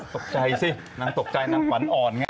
ตกใจสินางตกใจนางขวัญอ่อนไง